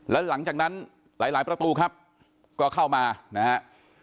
แล้วหลังจากนั้นหลายประตูครับก็เข้ามานะฮะ